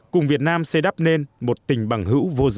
cùng việt nam xây đắp nên một tình bằng hữu vô giá